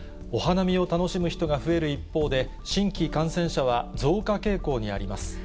お花見を楽しむ人が増える一方で、新規感染者は増加傾向にあります。